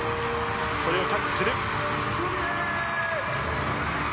それをキャッチする。